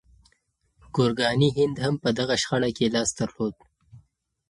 ګورګاني هند هم په دغه شخړه کې لاس درلود.